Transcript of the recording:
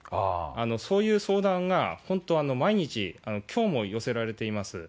そういう相談が本当、毎日、きょうも寄せられています。